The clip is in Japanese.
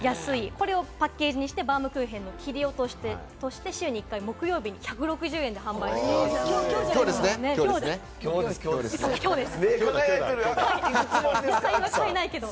これをパッケージにしてバウムクーヘンの切り落としとして週に１回木曜日に１６０円で販売しているんです。